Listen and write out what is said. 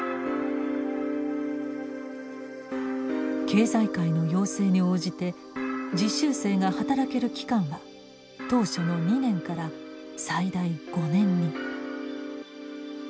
経済界の要請に応じて実習生が働ける期間は当初の２年から最大５年に。